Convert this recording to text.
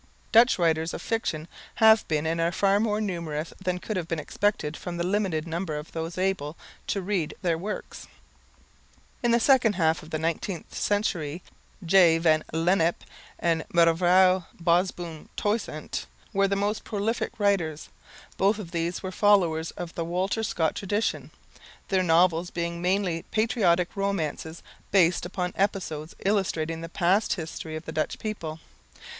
Dutch writers of fiction have been and are far more numerous than could have been expected from the limited number of those able to read their works. In the second half of the 19th century, J. van Lennep and Mevrouw Bosboom Toussaint were the most prolific writers. Both of these were followers of the Walter Scott tradition, their novels being mainly patriotic romances based upon episodes illustrating the past history of the Dutch people.